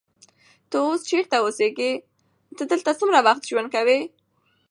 ته اوس چیرته اوسېږې؟ ته دلته څومره وخت ژوند کوې؟